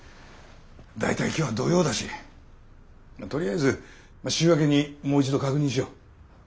大体今日は土曜だしとりあえず週明けにもう一度確認しよう。